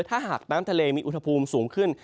ถ้าหากน้ำทะเลมีอุณหภูมิสูงขึ้น